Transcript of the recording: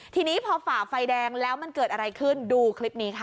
ทีนี้พอฝ่าไฟแดงแล้วมันเกิดอะไรขึ้นดูคลิปนี้ค่ะ